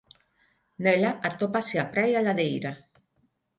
Nela atópase a praia Ladeira.